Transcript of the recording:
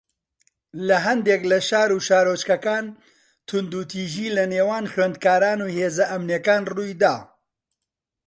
لە ھەندێک لە شار و شارۆچکەکان توندوتیژی لەنێوان خوێندکاران و هێزە ئەمنییەکان ڕووی دا